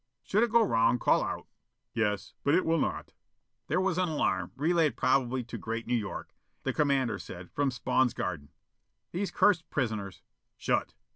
"Should it go wrong, call out." "Yes. But it will not." "There was an alarm, relayed probably to Great New York, the commander said, from Spawn's garden. These cursed prisoners " "Shut!